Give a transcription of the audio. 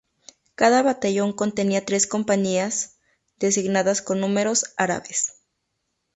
Cada batallón contenía tres compañías, designadas con números árabes.